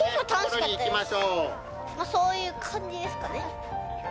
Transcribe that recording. まあ、そういう感じですかね。